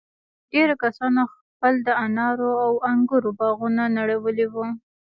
ډېرو کسانو خپل د انارو او انگورو باغونه نړولي وو.